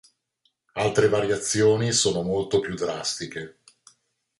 Altre variazioni sono molto più drastiche.